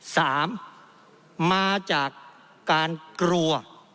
สามมาจากการกลัว